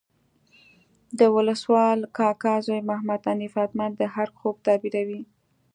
د ولسوال کاکا زوی محمد حنیف اتمر د ارګ خوب تعبیروي.